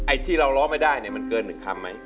ไอ้ที่เราร้องไม่ได้มันเกิน๑คำมั้ย